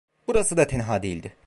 Burası da tenha değildi.